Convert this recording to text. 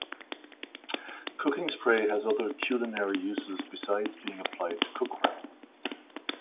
Cooking spray has other culinary uses besides being applied to cookware.